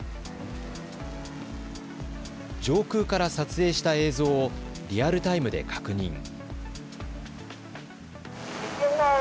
上空から撮影した映像をリアルタイムで確認。